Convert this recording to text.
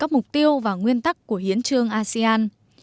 các mục tiêu và nguyên tắc của hiến trương asean